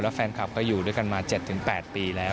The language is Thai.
แฟนคลับก็อยู่ด้วยกันมา๗๘ปีแล้ว